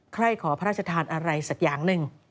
ใครขอพระราชทานอะไรสักอย่างหนึ่ง